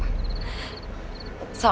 soalnya kebetulan saya aja juga baru pulang